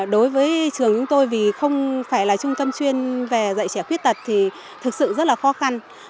đối với trường chúng tôi vì không phải là trung tâm chuyên về dạy trẻ khuyết tật thì thực sự rất là khó khăn